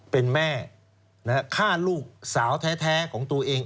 เป็นแม่ฆ่าลูกสาวแท้ของตัวเอง